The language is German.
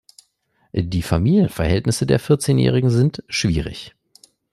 Die Familienverhältnisse der Vierzehnjährigen sind schwierig.